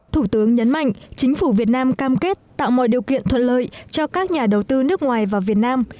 thủ tướng nhấn mạnh chính phủ việt nam cam kết tạo mọi điều kiện thuận lợi cho các nhà đầu tư nước ngoài vào việt nam